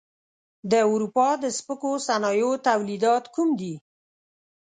د اروپا د سپکو صنایعو تولیدات کوم دي؟